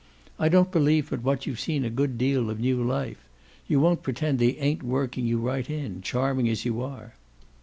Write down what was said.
I don't believe but what you've seen a good deal of new life. You won't pretend they ain't working you right in, charming as you are."